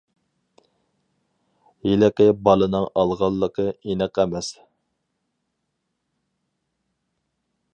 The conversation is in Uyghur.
— ھېلىقى بالىنىڭ ئالغانلىقى ئېنىق ئەمەس.